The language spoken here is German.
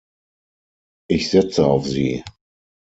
Ich setze auf Sie.